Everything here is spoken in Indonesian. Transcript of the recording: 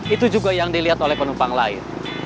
itu juga yang dilihat oleh penumpang lain